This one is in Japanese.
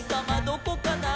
どこかな？」